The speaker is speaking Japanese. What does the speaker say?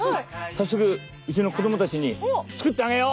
早速うちの子供たちに作ってあげよ！